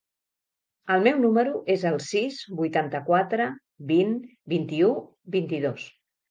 El meu número es el sis, vuitanta-quatre, vint, vint-i-u, vint-i-dos.